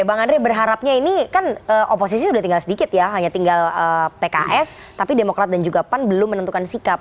bang andre berharapnya ini kan oposisi sudah tinggal sedikit ya hanya tinggal pks tapi demokrat dan juga pan belum menentukan sikap